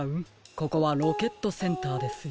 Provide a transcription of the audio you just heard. ここはロケットセンターですよ。